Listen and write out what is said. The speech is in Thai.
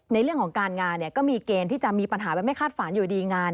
ในเรื่องของการงานก็มีเกณฑ์ที่จะมีปัญหาแบบไม่คาดฝันอยู่ดีงาน